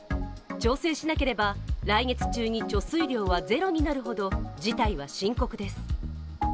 調整しなければ来月中に貯水量はゼロになるほど事態は深刻です。